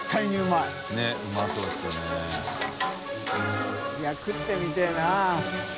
い食ってみてぇな。